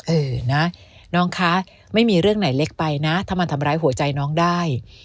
เออนะน้องคะไม่มีเรื่องไหนเล็กไปนะถ้ามันทำร้ายหัวใจน้องได้